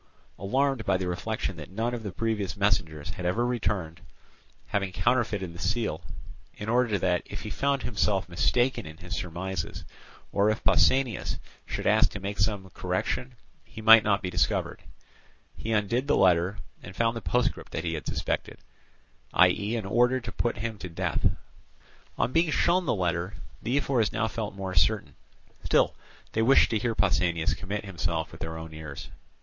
Alarmed by the reflection that none of the previous messengers had ever returned, having counterfeited the seal, in order that, if he found himself mistaken in his surmises, or if Pausanias should ask to make some correction, he might not be discovered, he undid the letter, and found the postscript that he had suspected, viz. an order to put him to death. On being shown the letter, the ephors now felt more certain. Still, they wished to hear Pausanias commit himself with their own ears.